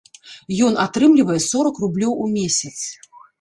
Ён атрымлівае сорак рублёў у месяц.